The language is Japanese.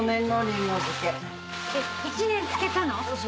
１年漬けたの？